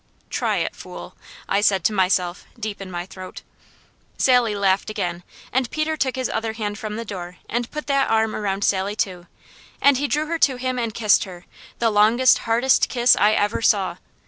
"Try it, fool!" I said to myself, deep in my throat. Sally laughed again, and Peter took his other hand from the door and put that arm around Sally too, and he drew her to him and kissed her, the longest, hardest kiss I ever saw.